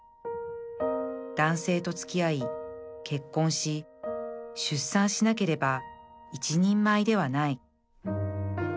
「男性と付き合い結婚し出産しなければ一人前ではない」